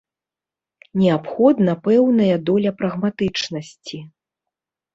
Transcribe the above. Неабходна пэўная доля прагматычнасці.